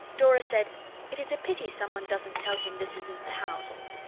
Dora said, 'It is a pity some one doesn't tell him this isn't the house.